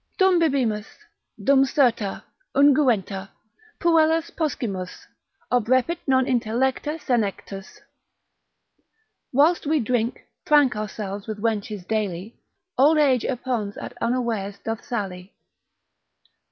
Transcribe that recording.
———dum bibimus, dum serta, unguenta, puellas Poscimus, obrepit non intellecta senectus. Whilst we drink, prank ourselves, with wenches dally, Old age upon's at unawares doth sally.